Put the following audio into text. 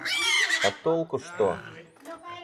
А толку что?